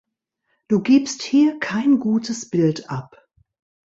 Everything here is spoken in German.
Du gibst hier kein gutes Bild ab.